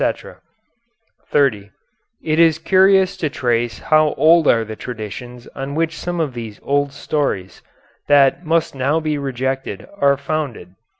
] [Footnote 30: It is curious to trace how old are the traditions on which some of these old stories, that must now be rejected, are founded.